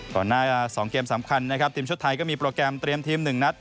ก่อนหน้า๒เกมสำคัญนะครับทีมชาติไทยก็มีโปรแกรมเตรียมทีม๑นัด